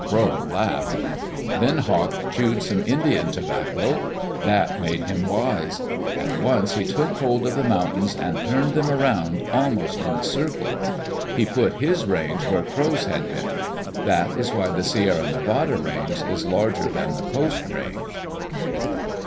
Crow laughed. Then Hawk chewed some Indian tobacco. That made him wise. At once he took hold of the mountains and turned them around almost in a circle. He put his range where Crow's had been. That is why the Sierra Nevada Range is larger than the Coast Range.